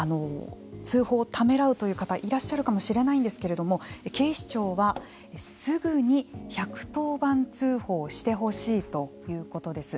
通報をためらうという方いらっしゃるかもしれないんですけれども警視庁は、すぐに１１０番通報してほしいということです。